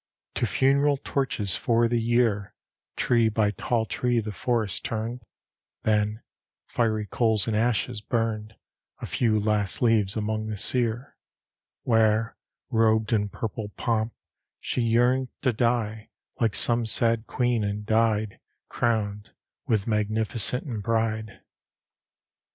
To funeral torches for the Year, Tree by tall tree, the forests turned; Then, fiery coals in ashes, burned A few last leaves among the sear; Where, robed in purple pomp, she yearned To die, like some sad queen, and died Crowned with magnificence and pride.